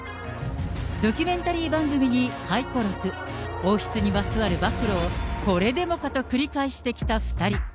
ドキュメンタリー番組に回顧録、王室にまつわる暴露をこれでもかと繰り返してきた２人。